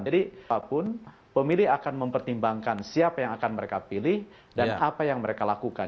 jadi apapun pemilih akan mempertimbangkan siapa yang akan mereka pilih dan apa yang mereka lakukan